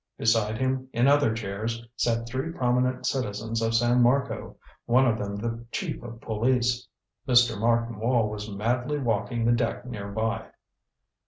Beside him, in other chairs, sat three prominent citizens of San Marco one of them the chief of police. Mr. Martin Wall was madly walking the deck near by.